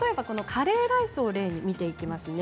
カレーライスを例に見ていきます。